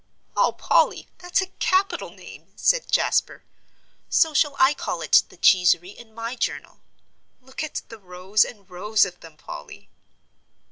"Oh, Polly, that's a capital name," said Jasper. "So shall I call it the 'Cheesery' in my journal. Look at the rows and rows of them, Polly."